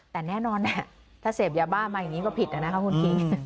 แต่แน่นอนถ้าเสพยาบ้ามาอย่างนี้ก็ผิดนะคะคุณคิง